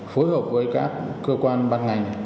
phối hợp với các cơ quan bán ngành